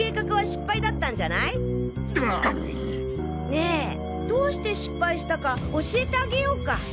ねえどうして失敗したか教えてあげようか？